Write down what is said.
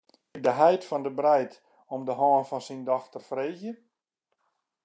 Moat ik de heit fan de breid om de hân fan syn dochter freegje?